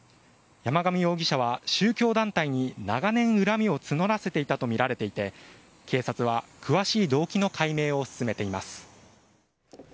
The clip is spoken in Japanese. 山上容疑者は宗教団体に長年、恨みを募らせていたとみられていて警察は詳しい動機の解明を進めています。